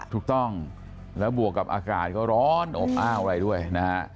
ถูกต้องแล้วบวกกับอากาศก็ร้อนอบอ้าวอะไรด้วยนะฮะ